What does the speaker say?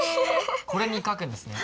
これに書くんですね？